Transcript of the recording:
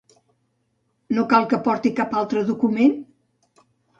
No cal que porti cap altre document?